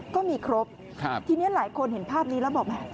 ก็มีครบครับทีเนี้ยหลายคนเห็นภาพนี้แล้วบอกแบบ